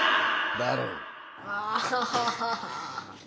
だろう。